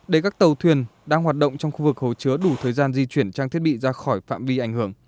để các tàu thuyền đang hoạt động trong khu vực hồ chứa đủ thời gian di chuyển trang thiết bị ra khỏi phạm vi ảnh hưởng